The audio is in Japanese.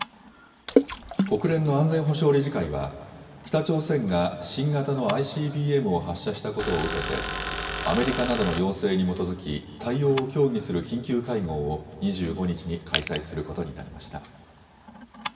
国連の安全保障理事会は北朝鮮が新型のＩＣＢＭを発射したことを受けてアメリカなどの要請に基づき対応を協議する緊急会合を２５日に開催することになりました。